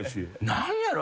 何やろ。